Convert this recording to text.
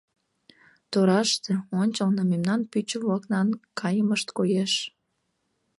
Тораште, ончылно, мемнан пӱчӧ-влакнан кайымышт коеш.